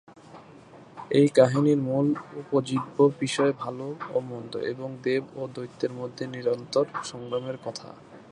এই কাহিনির মূল উপজীব্য বিষয় ভাল ও মন্দ এবং দেব ও দৈত্যের মধ্যে নিরন্তর সংগ্রামের কথা।